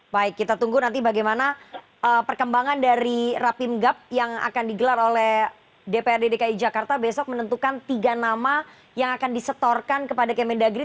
baik kita tunggu nanti bagaimana perkembangan dari rapim gap yang akan digelar oleh dprd dki jakarta besok menentukan tiga nama yang akan disetorkan kepada kementerian negeri